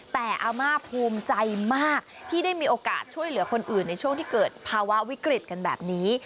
แต่อาม่าภูมิใจมากที่ได้มีโอกาสช่วยเหลือคนอื่นในช่วงที่เกิดภาวะวิกฤตกันแบบนี้